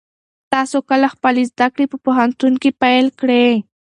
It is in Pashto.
تاسو کله خپلې زده کړې په پوهنتون کې پیل کړې؟